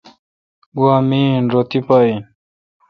گوا می این رو تی پا این۔